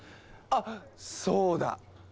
あっそうだ！